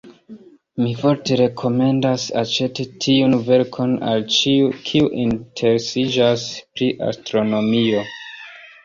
Mi forte rekomendas aĉeti tiun verkon al ĉiu, kiu interesiĝas pri astronomio!